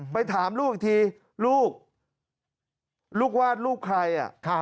ไปถามลูกอีกทีลูกลูกวาดลูกใคร